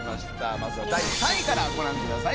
まずは第３位からご覧ください